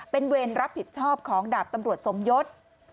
เป็นเวรรับผิดชอบของดาบตำรวจสมยศ